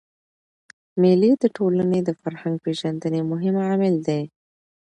مېلې د ټولني د فرهنګ پېژندني مهم عامل دئ.